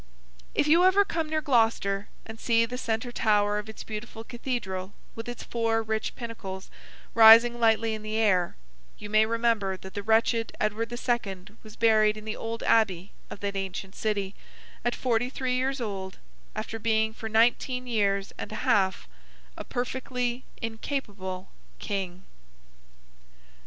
If you ever come near Gloucester, and see the centre tower of its beautiful Cathedral, with its four rich pinnacles, rising lightly in the air; you may remember that the wretched Edward the Second was buried in the old abbey of that ancient city, at forty three years old, after being for nineteen years and a half a perfectly incapable King.